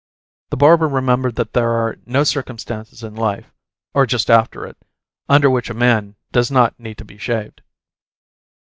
The barber remembered that there are no circumstances in life or just after it under which a man does not need to be shaved.